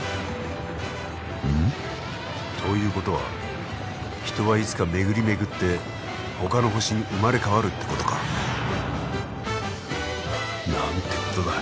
うん？ということは人はいつか巡り巡ってほかの星に生まれ変わるってことか。なんてことだ。